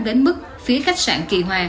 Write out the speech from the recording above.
đến mức phía khách sạn kỳ hòa